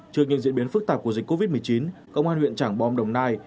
trước những diễn biến phức tạp của dịch covid một mươi chín công an huyện trảng bom đồng nai